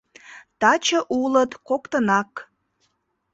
Таче улыт коктынак.